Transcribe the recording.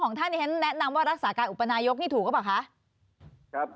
ของท่านที่ฉันแนะนำว่ารักษาการอุปนายกนี่ถูกหรือเปล่าคะครับ